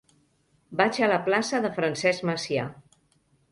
Vaig a la plaça de Francesc Macià.